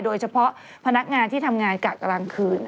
โดยเฉพาะพนักงานที่ทำงานกะกลางคืน